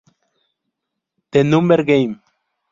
The Number Game